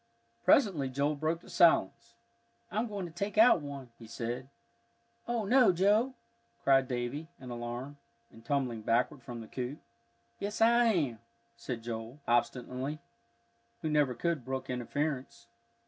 Presently Joel broke the silence. "I'm going to take out one," he said. "Oh, no, Joe!" cried Davie, in alarm, and tumbling backward from the coop. "Yes, I am," said Joel, obstinately, who never could brook interference.